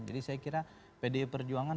saya kira pdi perjuangan